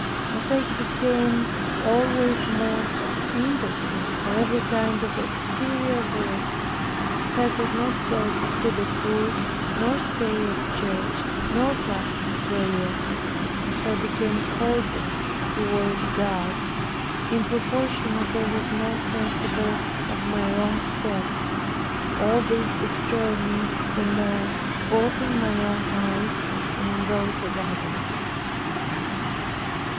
As I became always more impotent for every kind of exterior works, as I could not go to see the poor, nor stay at church, nor practice prayer; as I became colder toward God, in proportion as I was more sensible of my wrong steps, all this destroyed me the more both in my own eyes and in those of others.